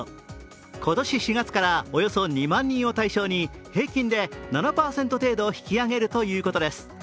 今年４月からおよそ２万人を対象に平均で７％程度引き上げるということです。